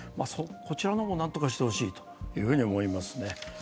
こちらも何とかしてほしいと思いますね。